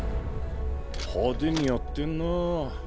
派手にやってんなぁ。